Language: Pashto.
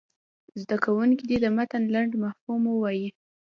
زده کوونکي دې د متن لنډ مفهوم ووایي.